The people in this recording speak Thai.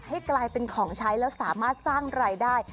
ให้กลายเป็นของใช้แล้วสามารถสร้างรายได้